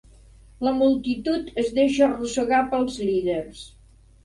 La multitud es deixa arrossegar pels líders.